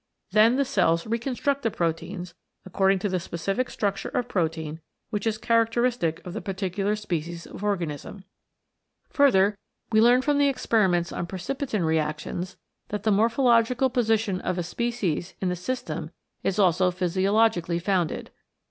Then the cells 132 CHEMICAL ACTIONS: PROTOPLASM reconstruct the proteins according to the specific structure of protein which is characteristic of the particular species of organism. Further, we learn from the experiments on precipitin reactions that the morphological position of a species in the system is also physiologically founded.